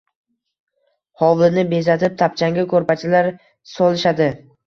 Hovlini bezatib tapchanga ko’rpachalar solishadi.